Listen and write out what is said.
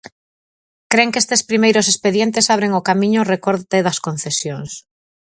Cren que estes primeiros expedientes abren o camiño ao recorte das concesións.